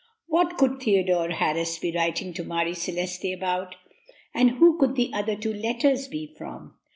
What could Theodore Harris be writing to Marie Celeste about, and who could the other two letters be from?